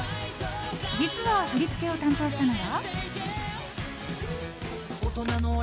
実は、振り付けを担当したのは。